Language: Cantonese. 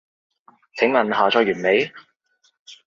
請問下載完未？